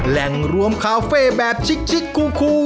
แรงรวมคาเฟ่แบบชิคคูอุ